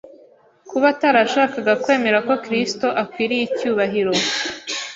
Kuba atarashakaga kwemera ko Kristo akwiriye icyubahiro